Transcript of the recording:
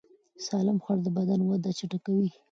سالم خواړه د بدن وده چټکوي.